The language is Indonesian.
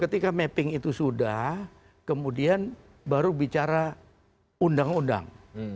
ketika mapping itu sudah kemudian baru bicara undang undang